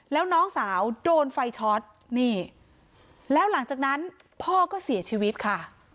แล้วน้องสาวโดนไฟช็อตนี่แล้วหลังจากนั้นพ่อก็เสียชีวิตค่ะ